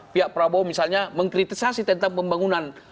pihak prabowo misalnya mengkritisasi tentang pembangunan